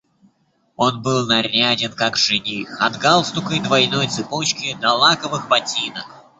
Он был наряден, как жених, от галстука и двойной цепочки до лаковых ботинок.